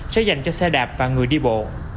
sẽ dành cho xe đạp và người đi bộ